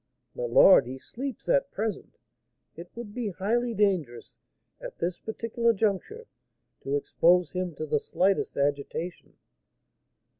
"My lord, he sleeps at present; it would be highly dangerous, at this particular juncture, to expose him to the slightest agitation."